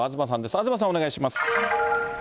東さん、お願いします。